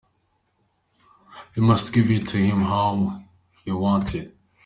You must give it to him how he wants it.